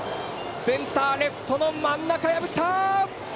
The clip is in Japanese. センター、レフトの真ん中破った！